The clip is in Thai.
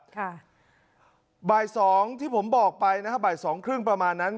ค่ะบ่ายสองที่ผมบอกไปนะฮะบ่ายสองครึ่งประมาณนั้น